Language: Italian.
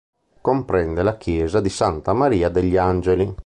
Comprende la chiesa di Santa Maria degli Angeli.